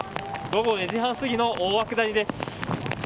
午後２時半過ぎの大涌谷です。